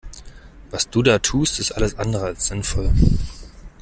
Was du da tust ist alles andere als sinnvoll.